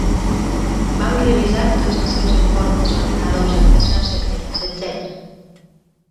Vam revisar tots els seus informes, ordinadors, habitacions secretes, etcètera.